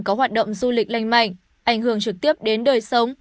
có hoạt động du lịch lành mạnh ảnh hưởng trực tiếp đến đời sống